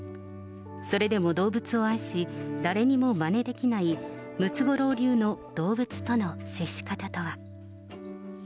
それでも動物を愛し、誰にもまねできないムツゴロウ流の動物との接し方とは。